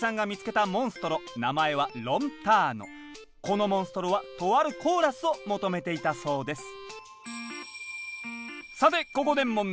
このモンストロはとあるコーラスを求めていたそうです。